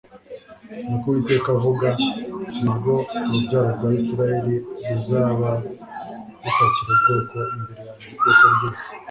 ni ko Uwiteka avuga, ni bwo urubyaro rwa Isiraeli ruzaba rutakiri ubwoko imbere yanjye iteka ryose :